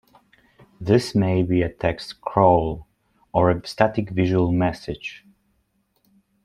This may be a text "crawl" or a static visual message.